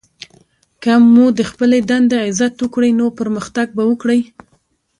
که مو د خپلي دندې عزت وکړئ! نو پرمختګ به وکړئ!